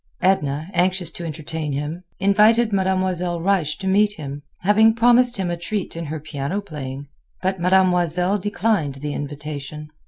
Edna, anxious to entertain him, invited Mademoiselle Reisz to meet him, having promised him a treat in her piano playing; but Mademoiselle declined the invitation.